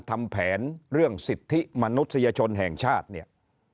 ทำแผนเรื่องสิทธิมนุษยชนแห่งชาติเนี่ย